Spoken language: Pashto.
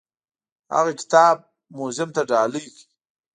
هغه کتاب موزیم ته ډالۍ کړ.